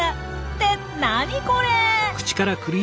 って何これ！？